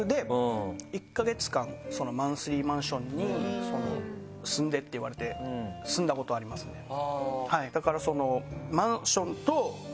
マンスリーマンションに住んでって言われて住んだことはありますねだから。